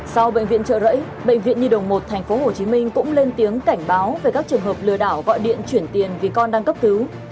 sau bệnh viện trợ rẫy bệnh viện nhi đồng một tp hcm cũng lên tiếng cảnh báo về các trường hợp lừa đảo gọi điện chuyển tiền vì con đang cấp cứu